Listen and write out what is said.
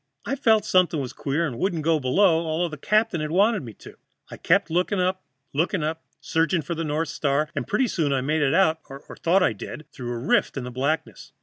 I felt something was queer and wouldn't go below, although the captain wanted me to. I kept looking up, looking up, searching for the north star, and pretty soon I made it out, or thought I did, through a rift in the blackness.